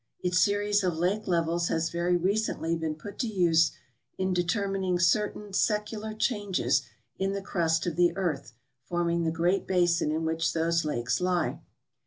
Its series of lake levels has very recenth' been put to use in determining certain secular changes in the crust of the earth forming the great basin in which those lakes lie.